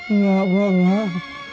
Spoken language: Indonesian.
enggak mau makan